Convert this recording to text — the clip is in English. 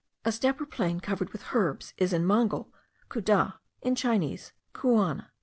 A steppe, or plain covered with herbs, is in Mongol, kudah; in Chinese, kouana.)